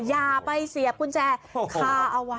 อย่าไปเสียบกุญแจคาเอาไว้